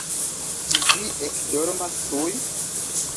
Ĉu vi ekdormas tuj?